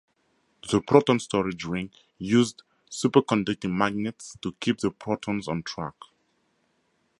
The proton storage ring used superconducting magnets to keep the protons on track.